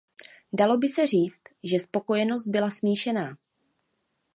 Dalo by se říct, že spokojenost byla smíšená.